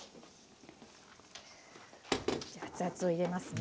じゃあ熱々を入れますね。